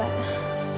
terima kasih ya mila